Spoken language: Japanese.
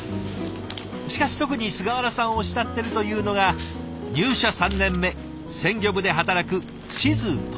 しかし特に菅原さんを慕ってるというのが入社３年目鮮魚部で働く静富夫さん。